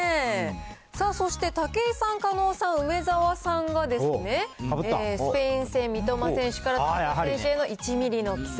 さあそして、武井さん、狩野さん、梅沢さんがですね、スペイン戦、三笘選手から田中選手への１ミリの奇跡。